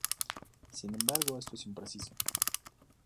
Sin embargo esto es impreciso.